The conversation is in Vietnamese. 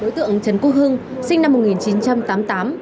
đối tượng trần quốc hưng sinh năm một nghìn chín trăm tám mươi tám